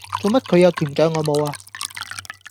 做乜佢有甜醬我冇呀